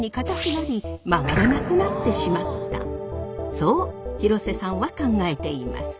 そう廣瀬さんは考えています。